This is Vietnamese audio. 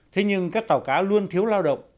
thế nhưng các tàu cá luôn thiếu lao động